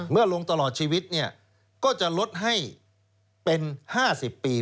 เมื่อลงตลอดชีวิตก็จะลดให้เป็น๕๐ปี